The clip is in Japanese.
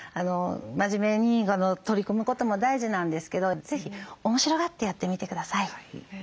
真面目に取り組むことも大事なんですけど是非面白がってやってみて下さい。